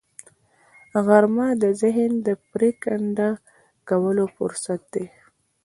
غرمه د ذهن د پرېکنده کولو فرصت دی